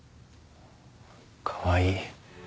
かわいい。